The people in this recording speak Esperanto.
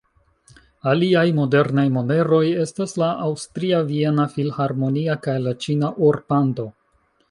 Aliaj modernaj moneroj estas la aŭstria Viena Filharmonia kaj la ĉina Or-Pando.